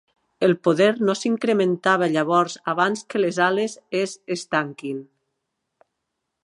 El poder no s'incrementava llavors abans que les ales es estanquin.